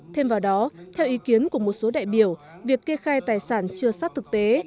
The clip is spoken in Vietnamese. thêm vào đó theo ý kiến của một số đại biểu việc kê khai tài sản chưa sát thực tế